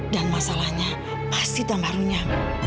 dan masalahnya pasti dan barunya